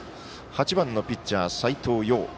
８番のピッチャー、斎藤蓉。